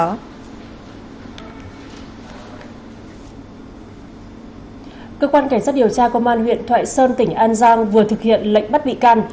cơ quan cảnh sát điều tra công an huyện thoại sơn tỉnh an giang vừa thực hiện lệnh bắt bị can